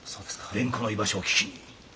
蓮子の居場所を聞きに。